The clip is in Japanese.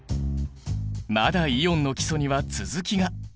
まだイオンの基礎には続きが！